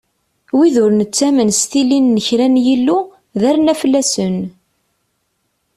Wid ur nettamen s tilin n kra n yillu, d arnaflasen.